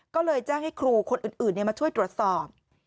ก็เลยแจ้งให้ครูคนอื่นมาช่วยตรวจสอบ